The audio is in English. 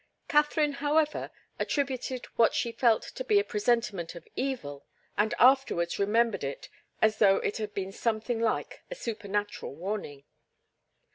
Katharine, however, attributed what she felt to a presentiment of evil, and afterwards remembered it as though it had been something like a supernatural warning.